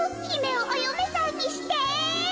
ひめをおよめさんにして。